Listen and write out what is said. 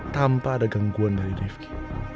tanpa ada gangguan dari divki